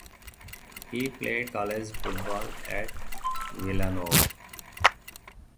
He played college football at Villanova.